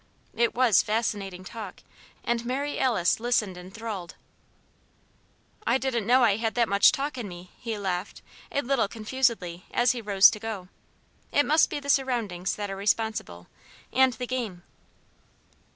It was fascinating talk, and Mary Alice listened enthralled. "I didn't know I had that much talk in me," he laughed, a little confusedly, as he rose to go. "It must be the surroundings that are responsible and the game."